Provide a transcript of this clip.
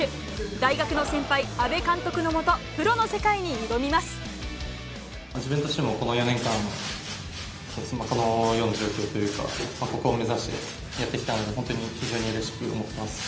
大学の先輩、阿部監督の下、自分としても、この４年間、ここを目指してやってきたので、本当に非常にうれしく思っています。